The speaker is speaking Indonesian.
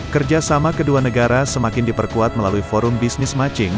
kerjasama kedua negara semakin diperkuat melalui forum business matching